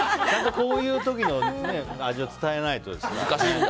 こういう時の味を伝えないとですね。